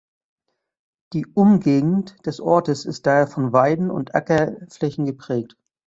Die Umgegend des Ortes ist daher von Weiden und Ackerflächen geprägt.